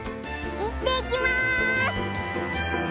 いってきます！